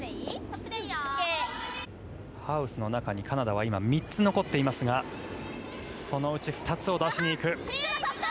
ハウスの中にカナダは今３つ残っていますがそのうち２つを出しにいく。